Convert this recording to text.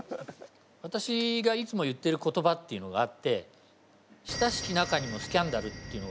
私がいつも言ってる言葉っていうのがあって「親しき仲にもスキャンダル」っていうのがあるんですね。